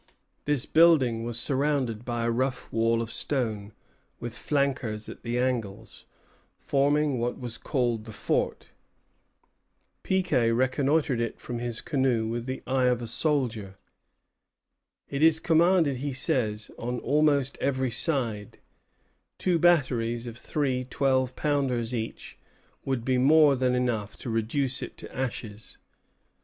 This building was surrounded by a rough wall of stone, with flankers at the angles, forming what was called the fort. Piquet reconnoitred it from his canoe with the eye of a soldier. "It is commanded," he says, "on almost every side; two batteries, of three twelve pounders each, would be more than enough to reduce it to ashes."